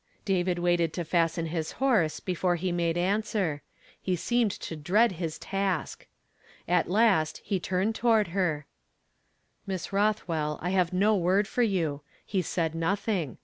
David waited to fasten his horse before he made answer. He seemed to dread his task. At last he turned toward her: " Miss Rothv/ell, I have no word for you ; he said nothing.